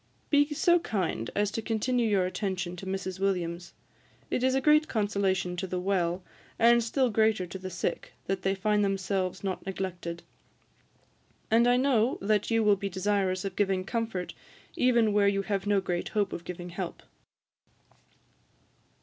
Be so kind as to continue your attention to Mrs. Williams; it is great consolation to the well, and still greater to the sick, that they find themselves not neglected; and I know that you will be desirous of giving comfort even where you have no great hope of giving help.